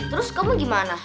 terus kamu gimana